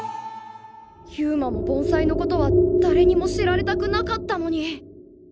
勇馬も盆栽のことはだれにも知られたくなかったのに。